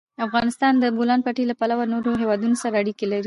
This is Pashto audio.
افغانستان د د بولان پټي له پلوه له نورو هېوادونو سره اړیکې لري.